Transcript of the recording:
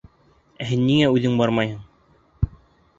— Ә һин ниңә үҙең бармайһың?